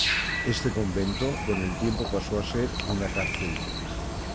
Este convento con el tiempo pasó a ser una cárcel.